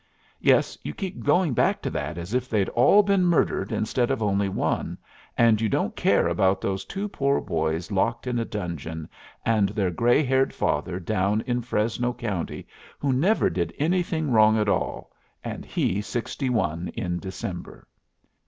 "Yes, you keep going back to that as if they'd all been murdered instead of only one, and you don't care about those two poor boys locked in a dungeon, and their gray haired father down in Fresno County who never did anything wrong at all, and he sixty one in December."